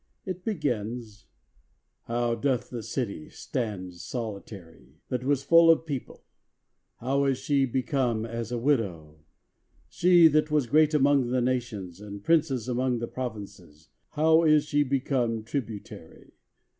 It begins: — "How doth the city stand solitary, that was full of people: how is she become as a widow! she that was great among the nations, and princess among the provinces, how is she become tributary!